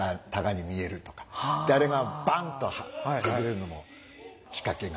であれがバンと外れるのも仕掛けがあって。